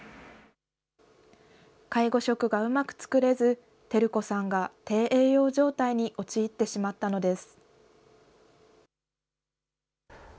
介護食がうまく作れず、輝子さんが低栄養状態に陥ってしまったのです。